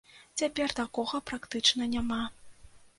Цяпер такога практычна няма.